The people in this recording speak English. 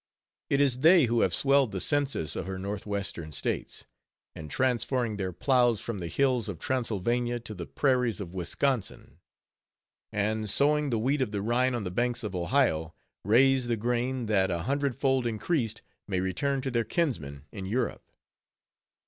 It is they who have swelled the census of her Northwestern States; and transferring their ploughs from the hills of Transylvania to the prairies of Wisconsin; and sowing the wheat of the Rhine on the banks of the Ohio, raise the grain, that, a hundred fold increased, may return to their kinsmen in Europe.